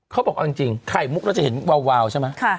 เขาบอกเอาจริงไข่มุกเราจะเห็นวาวใช่ไหม